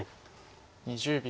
２０秒。